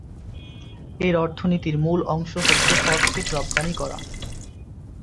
এর অর্থনীতির মূল অংশ হচ্ছে ফসফেট রপ্তানি করা।